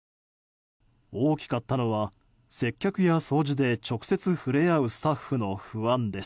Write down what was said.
大きかったのは接客や掃除で直接触れ合うスタッフの不安です。